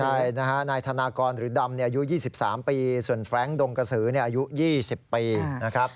ใช่นะฮะนายธนากรหรือดำอายุ๒๓ปีส่วนแฟรงค์ดงกระสืออายุ๒๐ปีนะครับ